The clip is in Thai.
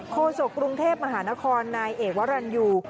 โศกกรุงเทพมหานครนายเอกวรรณยู